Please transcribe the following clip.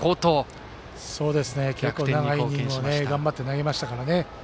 長いイニングを頑張って投げましたからね。